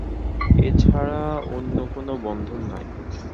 এ ছাড়া অন্য কোন বন্ধন নাই।